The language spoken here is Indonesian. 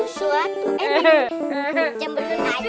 eh cemberun aja